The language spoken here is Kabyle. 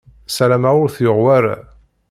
Ssarameɣ ur t-yuɣ wara.